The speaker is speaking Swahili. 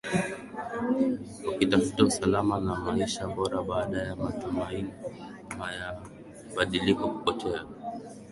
wakitafuta usalama na maisha bora baada ya matumaini ma ya mabadiliko kupotea